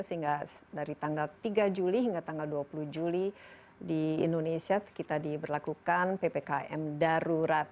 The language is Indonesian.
sehingga dari tanggal tiga juli hingga tanggal dua puluh juli di indonesia kita diberlakukan ppkm darurat